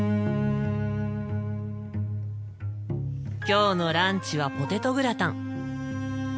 今日のランチはポテトグラタン。